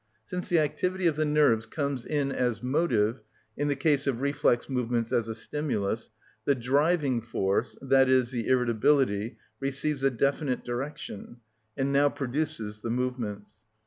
Since the activity of the nerves comes in as motive (in the case of reflex movements as a stimulus), the striving force, i.e., the irritability, receives a definite direction, and now produces the movements.